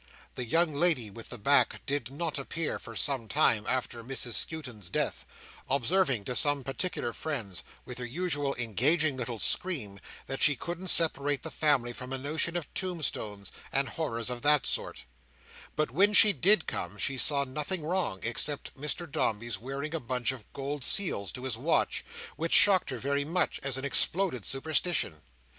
The young lady with the back did not appear for some time after Mrs Skewton's death; observing to some particular friends, with her usual engaging little scream, that she couldn't separate the family from a notion of tombstones, and horrors of that sort; but when she did come, she saw nothing wrong, except Mr Dombey's wearing a bunch of gold seals to his watch, which shocked her very much, as an exploded superstition.